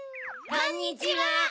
こんにちは。